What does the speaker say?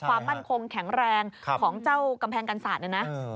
ความมั่นคงแข็งแรงของเจ้ากำแพงกันศาสตร์เนี่ยนะ